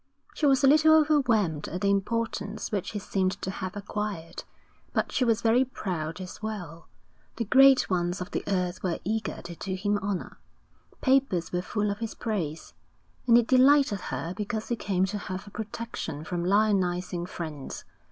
She was a little overwhelmed at the importance which he seemed to have acquired, but she was very proud as well. The great ones of the earth were eager to do him honour. Papers were full of his praise. And it delighted her because he came to her for protection from lionising friends.